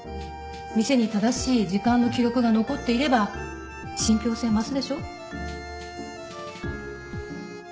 店に正しい時間の記録が残っていれば信ぴょう性増すでしょ。